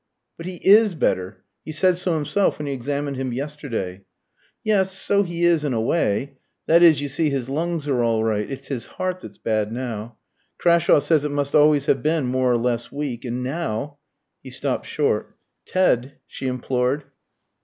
"But he is better. He said so himself when he examined him yesterday." "Yes, so he is, in a way. That is, you see, his lungs are all right. It's his heart that's bad now. Crashawe says it must always have been more or less weak. And now " He stopped short. "Ted " she implored.